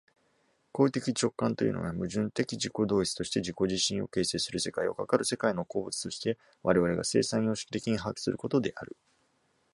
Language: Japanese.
行為的直観というのは、矛盾的自己同一として自己自身を形成する世界を、かかる世界の個物として我々が生産様式的に把握することである。